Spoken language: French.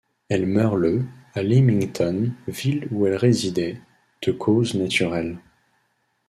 Elle meurt le à Lymington, ville où elle résidait, de causes naturelles.